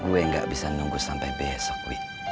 gue gak bisa nunggu sampai besok wi